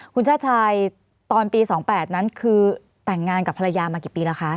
คุณชาติชายตอนปี๒๘นั้นคือแต่งงานกับภรรยามากี่ปีแล้วคะ